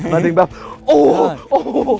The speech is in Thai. มาถึงแบบโอ้โฮ